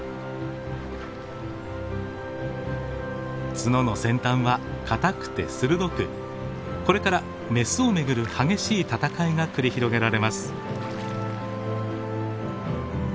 角の先端は固くて鋭くこれからメスを巡る激しい戦いが繰り広げられます。